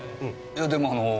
いやでもあの。